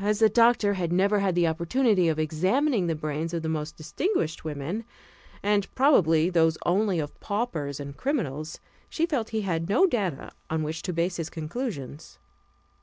As the doctor had never had the opportunity of examining the brains of the most distinguished women, and, probably, those only of paupers and criminals, she felt he had no data on which to base his conclusions.